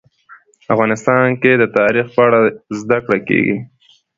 افغانستان کې د تاریخ په اړه زده کړه کېږي.